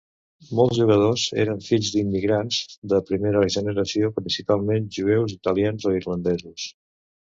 Molts jugadors eren fills d'immigrants de primera generació, principalment jueus, italians o irlandesos.